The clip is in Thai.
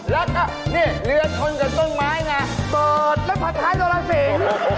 แล้วก็เนี่ยเรือชนกับต้นไม้ไงเปิดแล้วผัดท้ายโลรังสิ